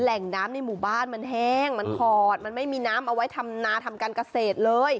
แหล่งน้ำในหมู่บ้านมันแห้งมันถอดมันไม่มีน้ำเอาไว้ทำนาทำการเกษตรเลย